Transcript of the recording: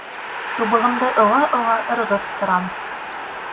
Тубығымды ыуа-ыуа ырғып торам.